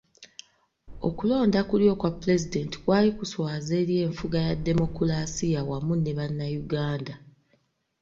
Okulonda kuli okwa Pulezidenti, kwali kuswaza eri enfuga ya demokulaasiya wamu ne bannayuganda.